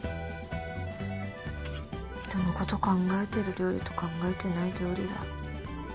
人のこと考えてる料理と考えてない料理だ。